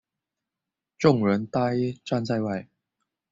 众人呆站在外